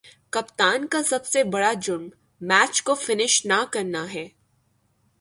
کپتان کا سب سے برا جرم میچ کو فنش نہ کرنا ہے